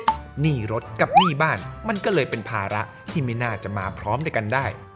หนี้รถกับหนี้บ้านมันก็เลยเป็นภาระที่ไม่น่าจะมาพร้อมด้วยกันได้